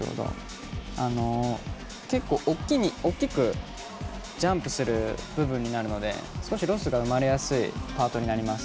結構、大きくジャンプする部分になるので少しロスが生まれやすいパートになります。